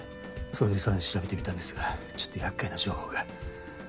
それで更に調べてみたんですがちょっと厄介な情報が。